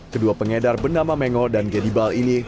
kedua pengedar bernama mengo dan gedibal ini